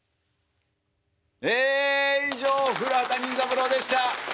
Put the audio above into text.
え以上古畑任三郎でした。